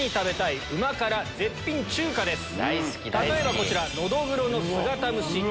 例えばこちら。